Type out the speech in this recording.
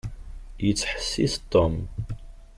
Yettḥessis Tom.